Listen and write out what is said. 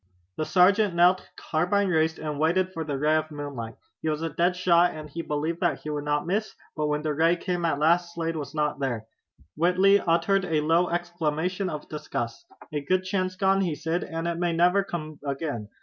The sergeant knelt, carbine raised, and waited for the ray of moonlight. He was a dead shot, and he believed that he would not miss, but when the ray came at last Slade was not there. Whitley uttered a low exclamation of disgust. "A good chance gone," he said, "and it may never come again.